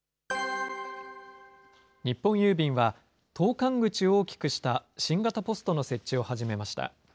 日本郵便は、投かん口を大きくした新型ポストの設置を始めました。